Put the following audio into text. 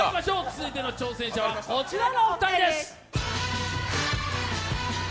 続いての挑戦者はこちらの２人です。